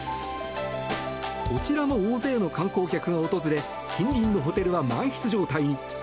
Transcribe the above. こちらも大勢の観光客が訪れ近隣のホテルは満室状態に。